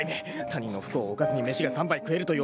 ［他人の不幸をおかずに飯が３杯食えるという男だ］